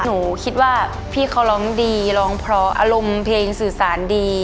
หนูคิดว่าพี่เขาร้องดีร้องเพราะอารมณ์เพลงสื่อสารดี